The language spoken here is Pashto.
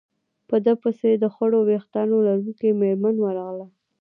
په ده پسې د خړو ورېښتانو لرونکې مېرمن ورغله.